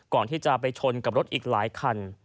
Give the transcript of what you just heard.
ก่อนที่จะไปชนกับรถอีกหลายคัน